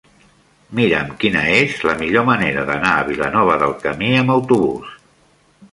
Mira'm quina és la millor manera d'anar a Vilanova del Camí amb autobús.